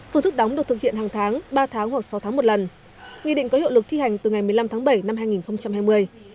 phương thức đóng được thực hiện hàng tháng ba tháng hoặc sáu tháng một lần nghị định có hiệu lực thi hành từ ngày một mươi năm tháng bảy năm hai nghìn hai mươi